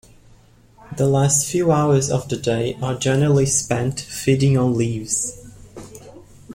The last few hours of the day are generally spent feeding on leaves.